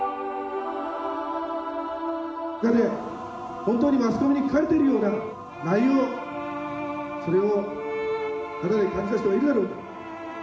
本当にマスコミに書かれてるような内容それを肌で感じた人がいるだろうか。